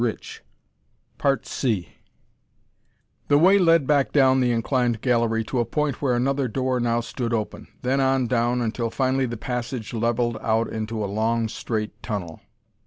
The way led back down the inclined gallery to a point where another door now stood open, then on down until finally the passage leveled out into a long, straight tunnel.